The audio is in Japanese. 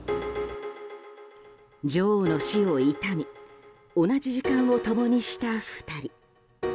女王の死を悼み同じ時間を共にした２人。